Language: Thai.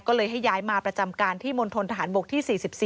ก็เลยให้ย้ายมาประจำการที่มณฑนทหารบกที่๔๔